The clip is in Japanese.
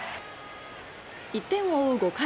１点を追う５回。